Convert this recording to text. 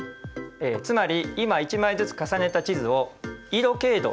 つまり今一枚ずつ重ねた地図を経度